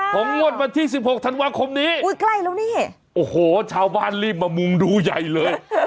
ของงวดบันที่๑๖ธันวาคมนี้โอ้โหชาวบ้านรีบมามุมดูใหญ่เลย